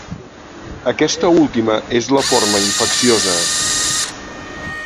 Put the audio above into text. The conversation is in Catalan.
Aquesta última és la forma infecciosa.